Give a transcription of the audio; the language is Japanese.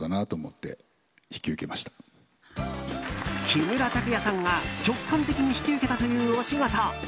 木村拓哉さんが直感的に引き受けたというお仕事。